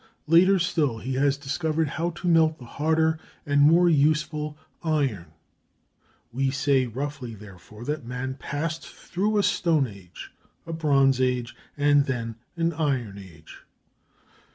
Later still he has discovered how to melt the harder and more useful iron. We say roughly, therefore, that man passed through a stone age, a bronze age, and then an iron age.